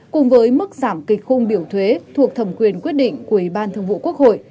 cùng với mức giảm kịch khung biểu thuế thuộc thẩm quyền quyết định của ủy ban thường vụ quốc hội